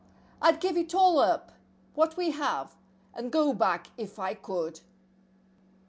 I'd give it all up—what we have—and go back if I could.